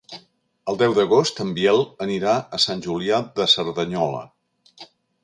El deu d'agost en Biel anirà a Sant Julià de Cerdanyola.